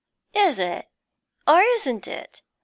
'Is it? Or isn't it?